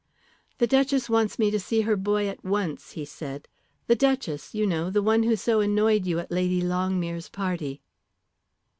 "The Duchess wants me to see her boy at once," he said. "The Duchess, you know; the one who so annoyed you at Lady Longmere's party."